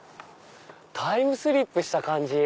タイムスリップした感じ。